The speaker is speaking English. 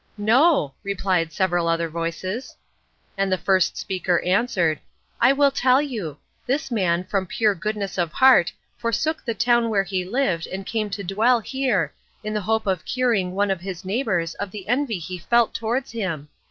"No," replied several other voices. And the first speaker answered, "I will tell you. This man, from pure goodness of heart, forsook the town where he lived and came to dwell here, in the hope of curing one of his neighbours of the envy he felt towards him.